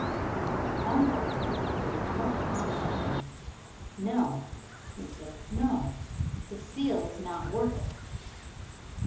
The pawnbroker hesitated and looked hard at him. "No," he said, "no. The seal's not worth it.